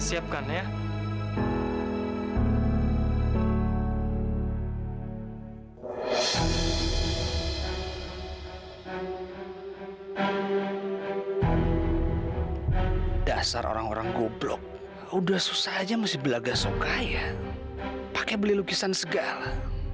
siapkan ya dasar orang orang goblok udah susah aja mesti belaga soka ya pakai beli lukisan segala